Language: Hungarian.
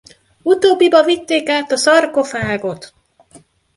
Utóbbiba vitték át a szarkofágot.